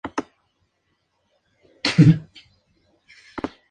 A ese entorno desolador se refería Spinetta cuando hablaba del "desierto".